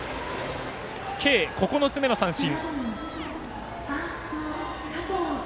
計９つ目の三振。